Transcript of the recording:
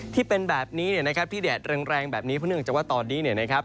ที่เป็นแบบนี้เนี่ยนะครับที่แดดแรงแบบนี้เพราะเนื่องจากว่าตอนนี้เนี่ยนะครับ